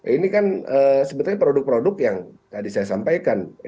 ini kan sebetulnya produk produk yang tadi saya sampaikan